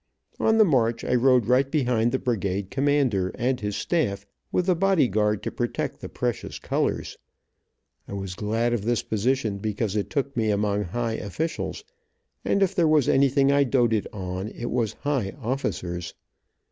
On the march I rode right behind the brigade commander and his staff, with the body guard to protect the precious colors. I was glad of this position, because it took me among high officials, and if there was anything I doted, on it was high officers.